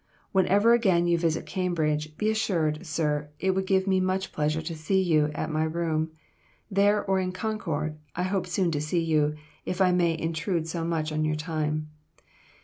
Whenever again you visit Cambridge, be assured, sir, that it would give me much pleasure to see you at my room. There, or in Concord, I hope soon to see you; if I may intrude so much on your time.